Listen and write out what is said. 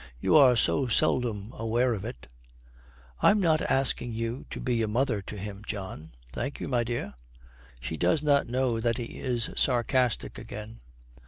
You are so seldom aware of it.' 'I am not asking you to be a mother to him, John.' 'Thank you, my dear.' She does not know that he is sarcastic again.